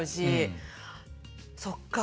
そっか。